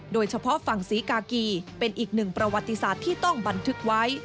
โดยเฉพาะฝั่งศรีกากีเป็นอีกหนึ่งประวัติศาสตร์ที่ต้องบันทึกไว้